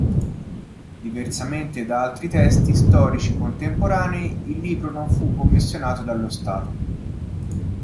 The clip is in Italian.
Diversamente da altri testi storici contemporanei, il libro non fu commissionato dallo Stato.